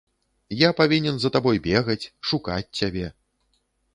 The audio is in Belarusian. Я павінен за табой бегаць, шукаць цябе.